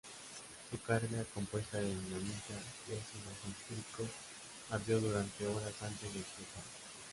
Su carga, compuesta de dinamita y ácido sulfúrico ardió durante horas antes de explotar.